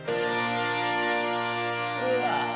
うわ！